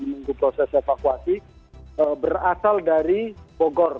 menunggu proses evakuasi berasal dari bogor